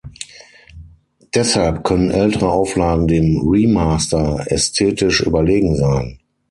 Deshalb können ältere Auflagen dem Remaster ästhetisch überlegen sein.